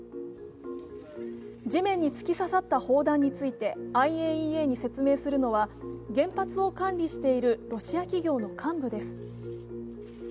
地面に突き刺さった砲弾についてＩＡＥＡに説明するのは原発を管理しているロシア企業の幹部です。